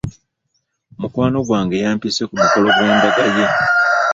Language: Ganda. Mukwano gwange yampise ku mukolo gw'embaga ye.